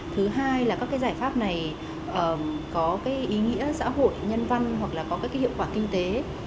thứ hai là các cái giải pháp này có cái ý nghĩa xã hội nhân văn hoặc là có các hiệu quả kinh tế